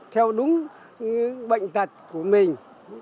theo đúng bệnh tật của mình